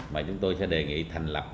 mà chúng tôi sẽ đề nghị thành lập